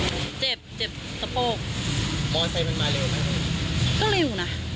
ไหมเจ็บเจ็บสโปรคมอสไซค์มันมาเร็วน่ะก็เร็วน่ะ